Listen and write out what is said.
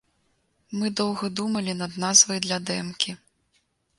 Мы доўга думалі над назвай для дэмкі.